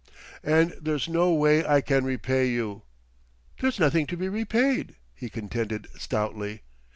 "And there's no way I can repay you...." "There's nothing to be repaid," he contended stoutly.